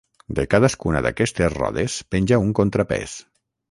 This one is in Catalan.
De cadascuna d'aquestes rodes penja un contrapès.